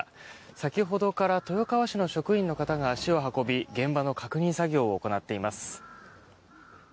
先ほどから豊川市の職員の方が足を運び現場の確認作業を行っています。